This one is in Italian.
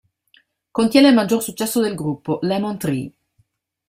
Contiene il maggiore successo del gruppo, "Lemon Tree".